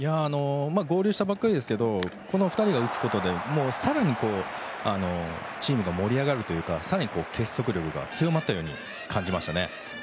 合流したばかりですがこの２人が打つことで更にチームが盛り上がるというか更に結束力が強まったように感じました。